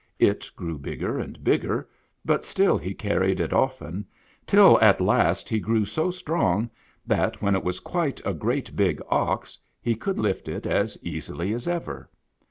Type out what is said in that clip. It grew bigger and bigger, but still he car ried it often, till at last he grew so strong that, when it was quite a great big ox, he could lift it as easily as ever.